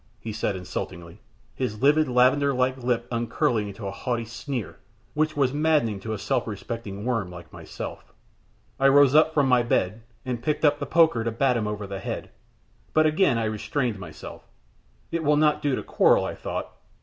he said, insultingly, his lividly lavender like lip upcurling into a haughty sneer, which was maddening to a self respecting worm like myself. I rose up from my bed, and picked up the poker to bat him over the head, but again I restrained myself. It will not do to quarrel, I thought.